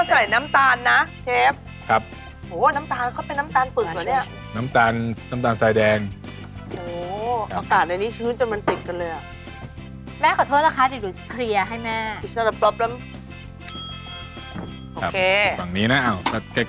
จริงให้มันตัดรสให้มันมีกลิ่นกระแรม